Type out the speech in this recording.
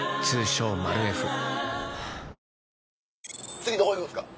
次どこ行くんですか？